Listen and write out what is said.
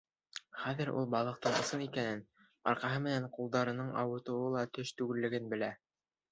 Хәҙер ул балыҡтың ысын икәнен, арҡаһы менән ҡулдарының ауыртыуы ла төш түгеллеген белә.